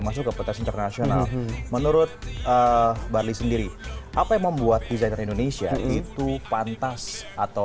masuk ke petas internasional menurut barli sendiri apa yang membuat desainer indonesia itu pantas atau